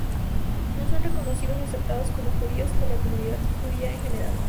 No son reconocidos o aceptados como Judíos por la comunidad Judía en general.